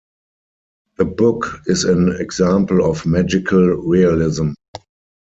The book is an example of magical realism.